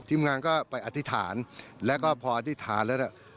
ทีมงานก็ไปอธิษฐานแล้วก็พออธิษฐานแล้วเนี่ย